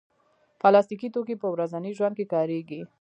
پلاستيکي توکي په ورځني ژوند کې کارېږي.